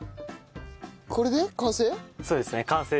これで完成？